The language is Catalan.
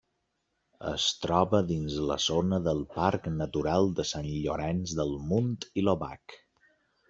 Es troba dins la zona del Parc Natural de Sant Llorenç del Munt i l'Obac.